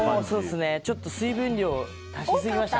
ちょっと水分量足しすぎました